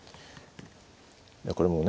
これもね